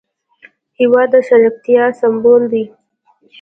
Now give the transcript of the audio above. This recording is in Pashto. هېواد د شریکتیا سمبول دی.